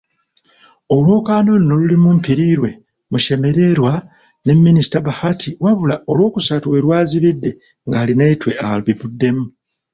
Olwokaano luno lulimu; Mpiriirwe, Mashemererwa ne Minisita Bahati wabula Olwokusatu we lwazibidde nga Arineitwe abivuddemu.